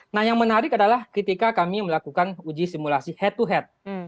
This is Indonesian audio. nah yang menarik adalah ketika kami melakukan uji simulasi head to head